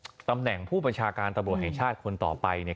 คืออย่างนี้ตำแหน่งผู้มาชาการตะบุดแห่งชาติควรต่อไปเนี่ย